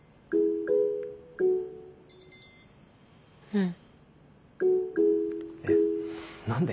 うん。